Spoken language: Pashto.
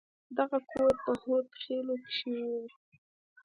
دغه کور په هود خيلو کښې و.